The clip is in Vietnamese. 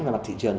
là mặt thị trường